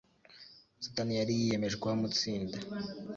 Satani yari yiyemeje kuhamutsinda.